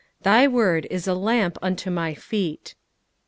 "Thy word is a lamp to my feet."